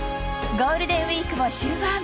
ゴールデンウィークも終盤